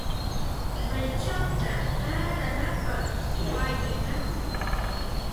¿Maychawta taaranapaq wayi kan?